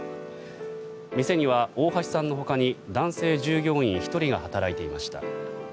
店には大橋さんの他に男性従業員１人が働いていました。